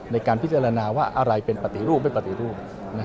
ในการพิจารณาว่าอะไรเป็นปฏิรูปไม่ปฏิรูป